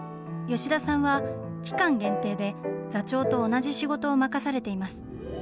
吉田さんは、期間限定で座長と同じ仕事を任されています。